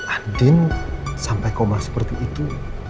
adin sampai koma seperti itu